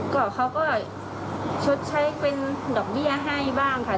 ก็เขาก็ชดใช้เป็นดอกเบี้ยให้บ้างค่ะ